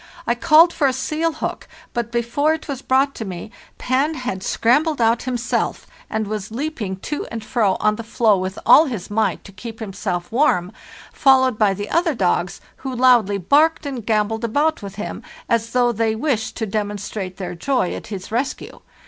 I called for a seal hook, but before it was brought to me ' Pan' had scrambled out himself, and was leaping to and fro on the floe with all his might to keep himself warm, followed by the other dogs, who loudly barked and gambolled about with him, as though they wished to demonstrate their joy at his rescue.